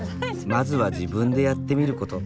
まずは自分でやってみる事。